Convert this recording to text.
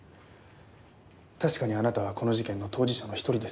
確かにあなたはこの事件の当事者の一人です。